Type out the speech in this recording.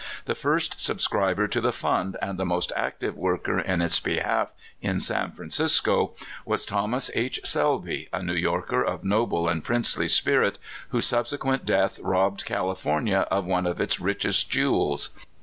The first subscriber to the fund, and the most active worker in its behalf in San Francisco, was Thomas H. Selby, a New Yorker of noble and princely spirit, whose subsequent death robbed California of one of its richest jewels.